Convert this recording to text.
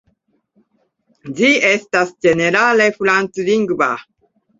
Ĝi estas ĝenerale franclingva.